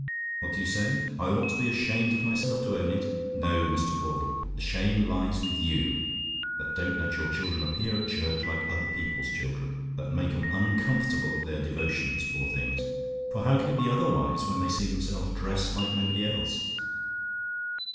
What do you say? "I OUGHT TO BE ASHAMED OF MYSELF TO OWN IT? "No, Mr. Caudle; the shame lies with you, that don't let your children appear at church like other people's children, that make 'em uncomfortable at their devotions, poor things! for how can it be otherwise, when they see themselves dressed like nobody else?